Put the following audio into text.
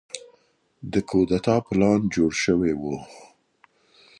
د کودتا پلان جوړ شوی و.